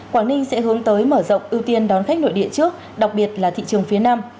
quảng ninh sẽ hướng tới mở rộng ưu tiên đón khách nội địa trước đặc biệt là thị trường phía nam